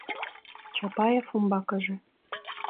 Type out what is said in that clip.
Чапаев умбакыже: